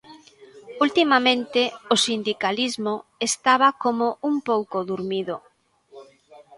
Ultimamente o sindicalismo estaba como un pouco durmido.